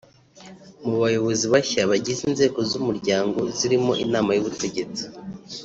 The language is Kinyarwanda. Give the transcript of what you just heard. Mu bayobozi bashya bagize inzego z’umuryango zirimo inama y’ubutegetsi